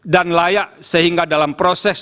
dan layak sehingga dalam proses